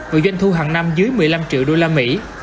và doanh thu hàng năm dưới một mươi năm triệu đô la mỹ